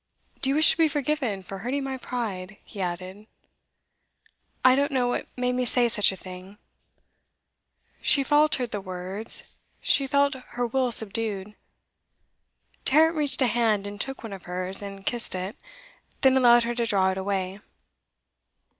Do you wish to be forgiven for hurting my pride?' he added. 'I don't know what made me say such a thing ' She faltered the words; she felt her will subdued. Tarrant reached a hand, and took one of hers, and kissed it; then allowed her to draw it away.